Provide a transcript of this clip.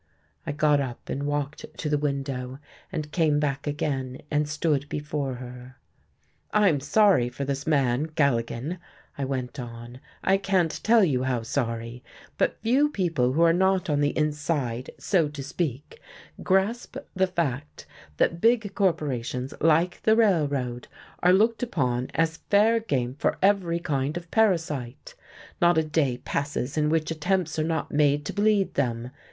I got up and walked to the window, and came back again and stood before her. "I'm sorry for this man, Galligan," I went on, "I can't tell you how sorry. But few people who are not on the inside, so to speak, grasp the fact that big corporations, like the Railroad, are looked upon as fair game for every kind of parasite. Not a day passes in which attempts are not made to bleed them.